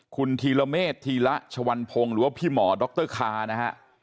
คุณธีรเมษธีระชวันพงศ์หรือว่าพี่หมอดรคานะฮะ